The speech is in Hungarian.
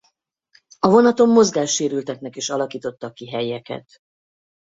A vonaton mozgássérülteknek is alakítottak ki helyeket.